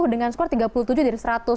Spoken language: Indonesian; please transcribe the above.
dengan skor tiga puluh tujuh dari seratus